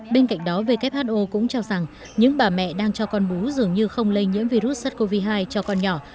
bên cạnh đó who cũng cho rằng những bà mẹ đang cho con bú dường như không lây nhiễm virus sars cov hai cho con nhỏ